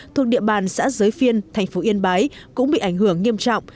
thuộc địa bàn xã giới phiên thành phố yên bái cũng bị ảnh hưởng nghiêm trọng